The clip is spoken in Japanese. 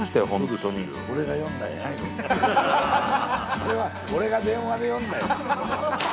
それは俺が電話で呼んだんや。